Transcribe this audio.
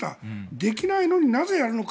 できないのになぜやるのか。